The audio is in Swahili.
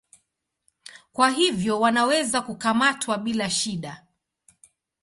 Kwa hivyo wanaweza kukamatwa bila shida.